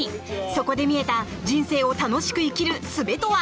そこで見えた人生を楽しく生きるすべとは？